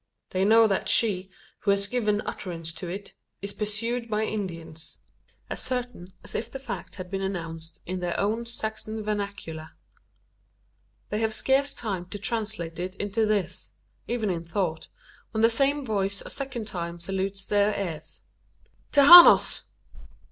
They know that she, who has given utterance to it, is pursued by Indians as certain as if the fact had been announced in their own Saxon vernacular. They have scarce time to translate it into this even in thought when the same voice a second time salutes their ears: "Tejanos!